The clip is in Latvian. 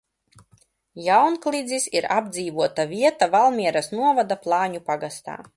Jaunklidzis ir apdzīvota vieta Valmieras novada Plāņu pagastā.